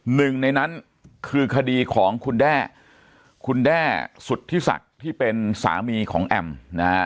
หนึ่งในนั้นคือคดีของคุณแด้คุณแด้สุทธิศักดิ์ที่เป็นสามีของแอมนะฮะ